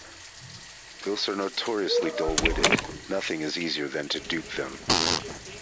Ghosts are notoriously dull-witted; nothing is easier than to dupe them.